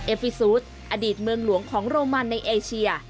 ฟิซูสอดีตเมืองหลวงของโรมันในเอเชีย